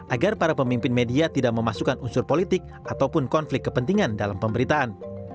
agar para pemimpin media tidak memasukkan unsur politik ataupun konflik kepentingan dalam pemberitaan